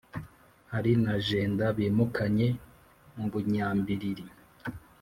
hari na jenda bimukanye mu bunyambiriri